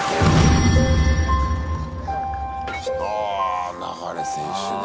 あ流選手ね。